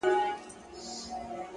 د فکر ژورتیا انسان لوړوي,